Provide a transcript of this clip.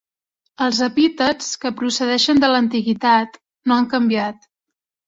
Els epítets, que procedeixen de l'antiguitat, no han canviat.